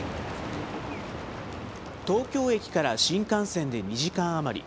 東京駅から新幹線で２時間余り。